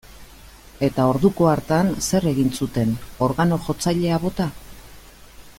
Eta orduko hartan zer egin zuten, organo-jotzailea bota?